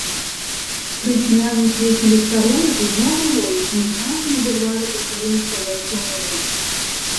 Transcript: Пры цьмяным свеце ліхтароў відно было, як музыканты на бульвары пачалі настаўляць каўняры.